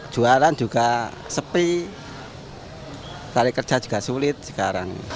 jualan juga sepi cari kerja juga sulit sekarang